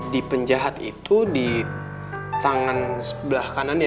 di penjahat itu di tangan sebelah kanannya